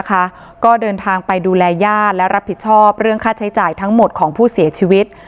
ก็เดินทางไปดูแลญาติและรับผิดชอบเรื่องค่าใช้จ่ายทั้งหมดของผู้เสียชีวิต